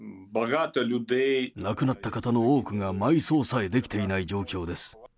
亡くなった方の多くが埋葬さえできていない状況です。